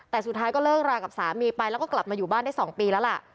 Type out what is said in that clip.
แต่สุดท้ายก็เลิกรากับสามีไปแล้วก็กลับมาอยู่บ้านได้๒ปีแล้วล่ะ